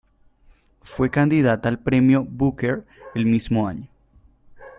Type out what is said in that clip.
Fue candidata al Premio Booker el mismo año.